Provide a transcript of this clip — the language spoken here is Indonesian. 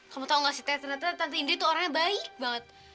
kamu tau gak sih tete ternyata tante indri tuh orangnya baik banget